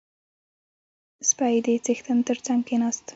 • سپی د څښتن تر څنګ کښېناست.